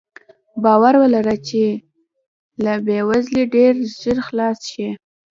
باور ولره چې له بې وزلۍ ډېر ژر خلاص شې.